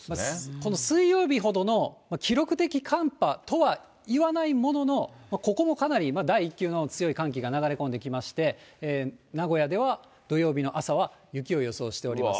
この水曜日ほどの記録的寒波とはいわないものの、ここもかなり第一級の強い寒気が流れ込んできまして、名古屋では、土曜日の朝は雪を予想しております。